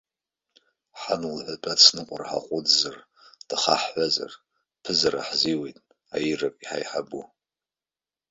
Ҳан лҳәатәы ацныҟәара ҳаҟәыҵзар, дахаҳҳәазар, ԥызара ҳзиуеит, аирак иҳаиҳабу.